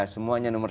semuanya nomor satu